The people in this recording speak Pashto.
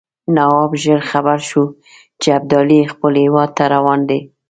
نواب ژر خبر شو چې ابدالي خپل هیواد ته روان دی.